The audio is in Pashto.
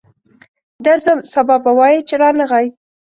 درځم، سبا به وایې چې رانغی.